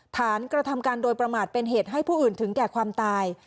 กระทำการโดยประมาทเป็นเหตุให้ผู้อื่นถึงแก่ความตาย